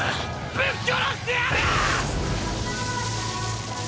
ぶっ殺してやる！！